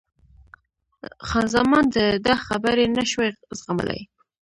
خان زمان د ده خبرې نه شوای زغملای.